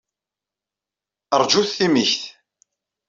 Ṛjut timikt!